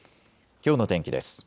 きょうの天気です。